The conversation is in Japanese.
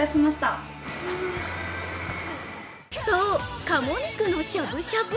そう、鴨肉のしゃぶしゃぶ。